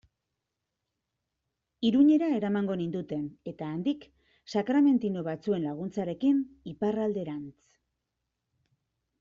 Iruñera eramango ninduten, eta handik, sakramentino batzuen laguntzarekin, Iparralderantz.